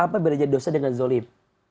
apa bedanya dosa dengan zolim